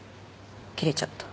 切れちゃった。